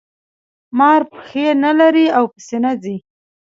مار پښې نلري او په سینه ځي